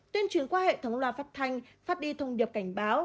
tuyên truyền qua hệ thống loa phát thanh phát đi thông điệp cảnh báo